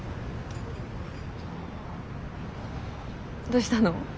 どうしたの？